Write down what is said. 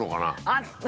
「あっ！」